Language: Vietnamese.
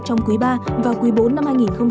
trong quý ba và quý bốn năm hai nghìn hai mươi